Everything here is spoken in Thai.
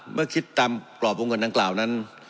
เมื่อคิดตามกรอบวงเงินดังกล่าวนั้น